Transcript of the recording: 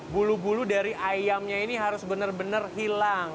bulu bulu dari ayamnya ini harus benar benar hilang